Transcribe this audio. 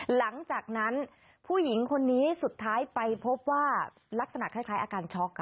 หลังจากนั้นผู้หญิงคนนี้สุดท้ายไปพบว่าลักษณะคล้ายอาการช็อก